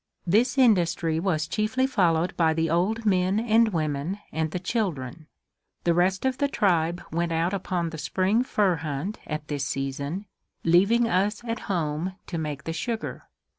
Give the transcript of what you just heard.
This industry was chiefly followed by the old men and women and the children. The rest of the tribe went out upon the spring fur hunt at this season, leaving us at home to make the sugar.